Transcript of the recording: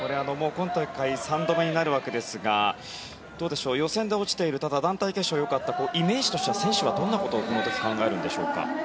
今大会３度目になるわけですがどうでしょう、予選で落ちているただ、団体決勝はよかったイメージとしては選手はどんなことをこの時考えるのでしょうか。